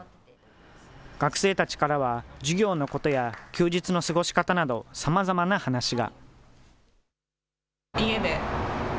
学生たちからは授業のことや休日の過ごし方など、さまざまな話が。